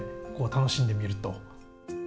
楽しんでみると。